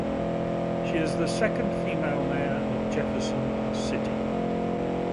She is the second female mayor of Jefferson City.